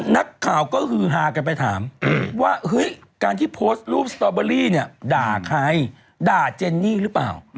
นักข่าวก็ฮือฮากันไปถามว่าเฮ้ยการที่โพสต์รูปสตอเบอรี่เนี่ยด่าใครด่าเจนนี่หรือเปล่า